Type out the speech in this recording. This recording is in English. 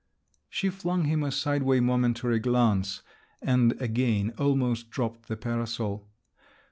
She flung him a sideway, momentary glance, and again almost dropped the parasol.